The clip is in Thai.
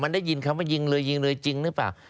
มันได้ยินคำว่ายิงเลยยิงเลยจริงหรือเปล่า